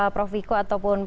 prof wiko ataupun prof bikin